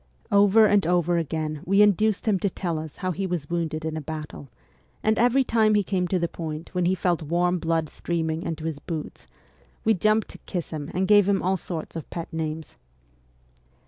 Over and over again we induced him to tell us how he was wounded in a battle, and every time he came to the point when he felt warm blood streaming into his boot, we jumped to kiss him and gave him all sorts of pet names.